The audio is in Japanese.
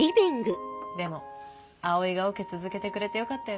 でも蒼がオケ続けてくれてよかったよね。